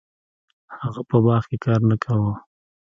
هغه په باغ کې کار نه کاوه.